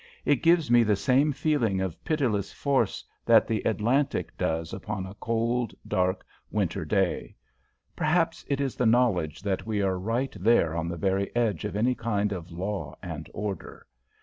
"It gives me the same feeling of pitiless force that the Atlantic does upon a cold, dark, winter day. Perhaps it is the knowledge that we are right there on the very edge of any kind of law and order.